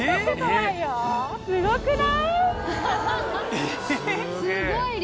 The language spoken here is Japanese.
すごい量。